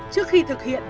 trước khi thực hiện